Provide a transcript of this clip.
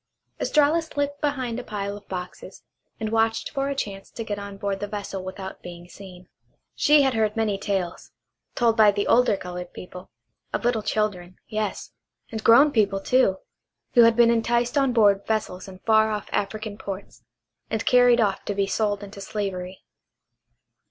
Estralla slipped behind a pile of boxes, and watched for a chance to get on board the vessel without being seen. She had heard many tales, told by the older colored people, of little children, yes, and grown people, too, who had been enticed on board vessels in far off African ports, and carried off to be sold into slavery.